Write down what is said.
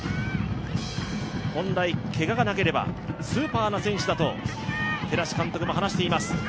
本来、けががなければスーパーな選手だと寺師監督も話しています。